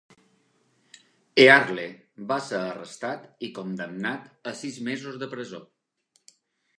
Earle va ser arrestat i condemnat a sis mesos de presó.